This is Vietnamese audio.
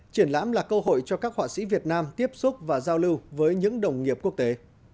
triển lãm là cơ hội cho các họa sĩ việt nam tiếp xúc và giao lưu với những đồng nghiệp quốc tế